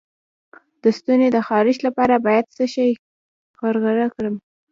د ستوني د خارش لپاره باید څه شی غرغره کړم؟